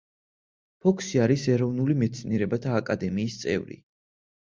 ფოქსი არის ეროვნული მეცნიერებათა აკადემიის წევრი.